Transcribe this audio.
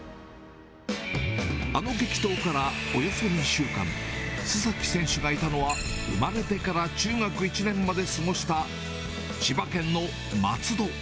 あと激闘からおよそ２週間、須崎選手がいたのは、生まれてから中学１年まで過ごした、千葉県の松戸。